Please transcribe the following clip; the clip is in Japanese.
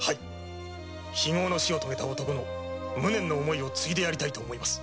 非業の死を遂げた男の無念の思いを継いでやりたいと思います。